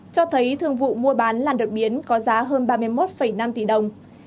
cho thấy thương vụ mua bán làn đột biến có giá hơn ba mươi một năm tỷ đồng